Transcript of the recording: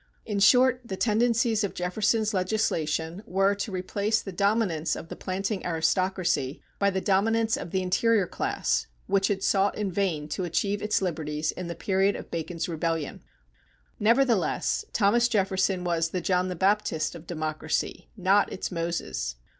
In short, the tendencies of Jefferson's legislation were to replace the dominance of the planting aristocracy by the dominance of the interior class, which had sought in vain to achieve its liberties in the period of Bacon's Rebellion. Nevertheless, Thomas Jefferson was the John the Baptist of democracy, not its Moses.